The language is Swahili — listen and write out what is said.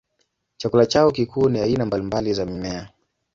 Chakula chao kikuu ni aina mbalimbali za mimea.